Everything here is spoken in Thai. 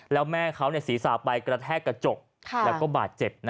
แล้วแม่เขาศีรษะไปกระแทกกระจกแล้วก็บาดเจ็บ